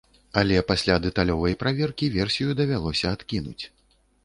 Але пасля дэталёвай праверкі версію давялося адкінуць.